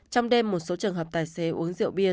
trong đêm một số trường hợp tài xế uống rượu bia